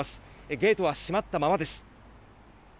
ゲートは閉まったままです。